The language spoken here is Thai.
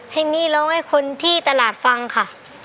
เพลงนี้ร้องให้คนที่ตลาดฟังค่ะ